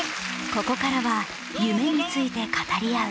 ここからは夢について語り合う。